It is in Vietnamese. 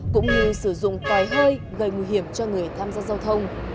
cũng như sử dụng cài hơi gây nguy hiểm cho người tham gia giao thông